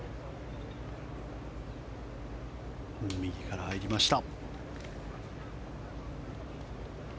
右から入りました。